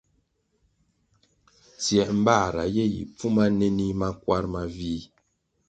Tsiē mbāra ye yi pfuma nenih makwar mavih,